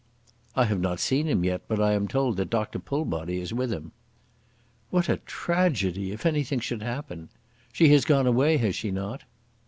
"I have not seen him yet, but I am told that Dr. Pullbody is with him." "What a tragedy, if anything should happen! She has gone away; has she not."